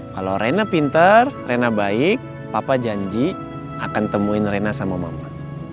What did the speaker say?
kalau reina pintar reina baik papa janji akan temuin reina sama mama